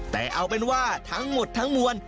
แต่เอาเป็นว่าทั้งหมดทั้งมวล